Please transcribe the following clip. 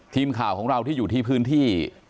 ทีมข่าวของเราที่อยู่ที่พื้นที่